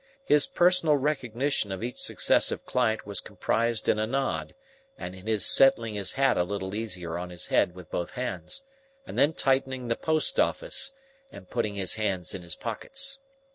His personal recognition of each successive client was comprised in a nod, and in his settling his hat a little easier on his head with both hands, and then tightening the post office, and putting his hands in his pockets.